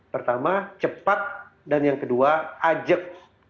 pertama cepat dan yang kedua ajak